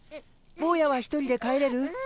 ぼうやは１人で帰れる？